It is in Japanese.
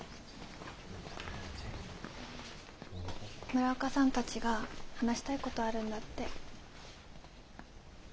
村岡さんたちが話したいことあるんだって。